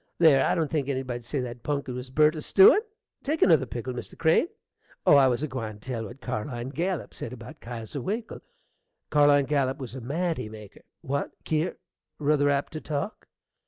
There, I don't think anybody'd say that punkin was burnt a stewin! Take another pickle, Mr. Crane. Oh, I was a gwine to tell what Carline Gallup said about Kesier Winkle. Carline Gallup was a manty maker What, Kier? ruther apt to talk?